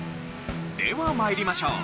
では参りましょう。